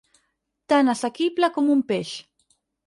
Tan assequible com un peix.